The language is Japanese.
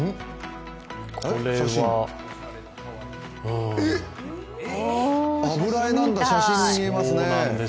これは油絵なんだ、写真に見えますね。